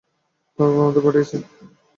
তোমার বাবা আমাদের পাঠিয়েছে।